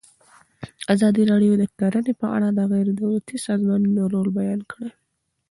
ازادي راډیو د کرهنه په اړه د غیر دولتي سازمانونو رول بیان کړی.